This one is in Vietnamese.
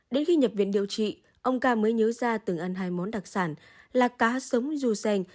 đến khi nhập viện điều trị ông ca mới nhớ ra từng ăn hai món đặc sản là cá sống du sen